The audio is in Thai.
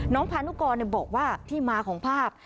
พานุกรบอกว่าที่มาของภาพ